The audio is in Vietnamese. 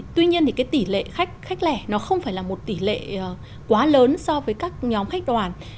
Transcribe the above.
tuy nhiên thì cái tỷ lệ khách khách lẻ nó không phải là một tỷ lệ quá lớn so với các nhóm khách đoàn